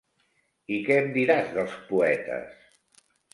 I què em diràs dels poetes?